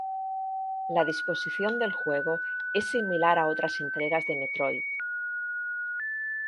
La disposición del juego es similar a otras entregas de Metroid.